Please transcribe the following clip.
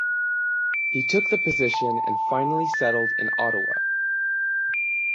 He took the position and finally settled in Ottawa.